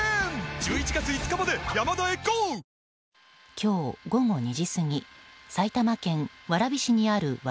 今日午後２時過ぎ埼玉県蕨市にある蕨